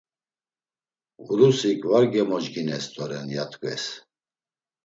Urusik var gemocgines doren, ya tkves.